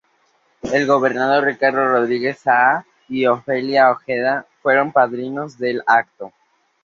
El gobernador Ricardo Rodríguez Saá y Ofelia Ojeda fueron padrinos del acto.